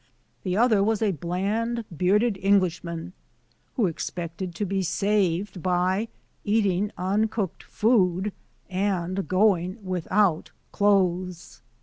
The other was a bland, bearded Englishman, who expected to be saved 'by eating uncooked food and going without clothes.